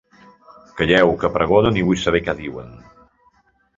Calleu, que pregonen i vull saber què diuen.